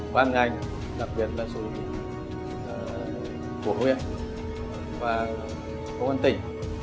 quan ngành đặc biệt là số của huyện và công an tỉnh